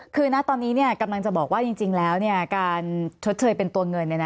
คือณตอนนี้กำลังจะบอกว่าจริงแล้วการชดเชยเป็นตัวเงิน